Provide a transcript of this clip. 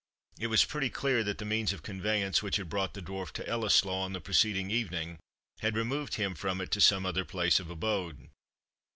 It was pretty clear that the means of conveyance which had brought the Dwarf to Ellieslaw on the preceding evening, had removed him from it to some other place of abode.